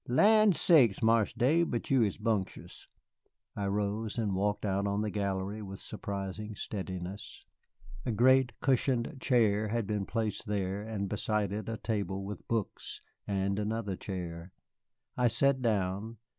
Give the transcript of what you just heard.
"Lan sakes, Marse Dave, but you is bumptious." I rose and walked out on the gallery with surprising steadiness. A great cushioned chair had been placed there, and beside it a table with books, and another chair. I sat down.